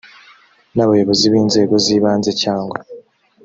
n abayobozi b inzego z ibanze cyangwa